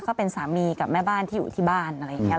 ก็เป็นสามีกับแม่บ้านที่อยู่ที่บ้านอะไรอย่างนี้